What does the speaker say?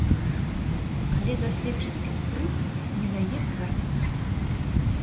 Але даследчыцкі спрыт не дае павярнуць назад.